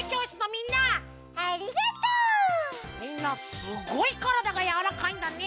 みんなすごいからだがやわらかいんだね。